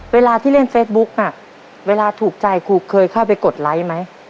เวลาที่เล่นเฟซบุ๊กน่ะเวลาถูกใจครูเคยเข้าไปกดไลค์ไหม